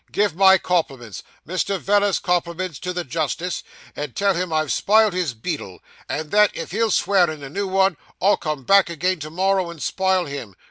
'Give my compliments Mr. Veller's compliments to the justice, and tell him I've spiled his beadle, and that, if he'll swear in a new 'un, I'll come back again to morrow and spile him.